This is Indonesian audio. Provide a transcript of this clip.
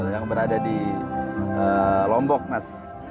yang berada di lombok mas